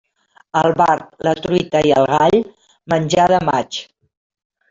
El barb, la truita i el gall, menjar de maig.